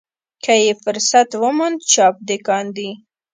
که یې فرصت وموند چاپ دې کاندي.